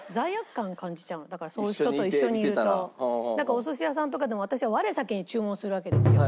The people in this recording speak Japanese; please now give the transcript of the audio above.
お寿司屋さんとかでも私は我先に注文するわけですよ。